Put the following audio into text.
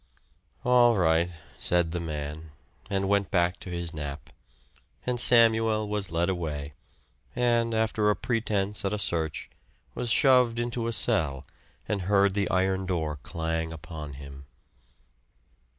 "All right," said the man, and went back to his nap; and Samuel was led away, and after a pretense at a search was shoved into a cell and heard the iron door clang upon him.